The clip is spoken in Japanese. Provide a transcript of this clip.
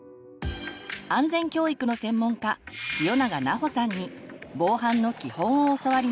安全教育の専門家清永奈穂さんに防犯の基本を教わります。